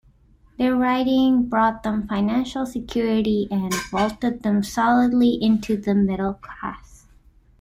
Their writing brought them financial security and vaulted them solidly into the middle class.